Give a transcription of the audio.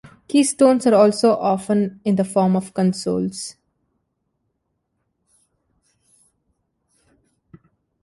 Keystones are also often in the form of consoles.